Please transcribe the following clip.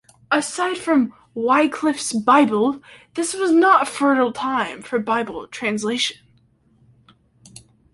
Aside from Wycliffe's Bible, this was not a fertile time for Bible translation.